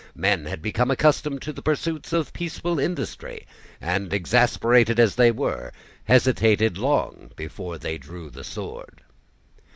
Men had become accustomed to the pursuits of peaceful industry, and, exasperated as they were, hesitated long before they drew the sword.